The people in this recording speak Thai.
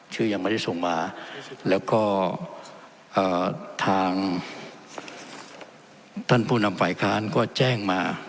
ยังไม่ได้ส่งมาแล้วก็ทางท่านผู้นำฝ่ายค้านก็แจ้งมา